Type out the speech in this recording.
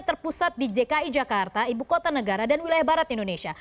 terpusat di dki jakarta ibu kota negara dan wilayah barat indonesia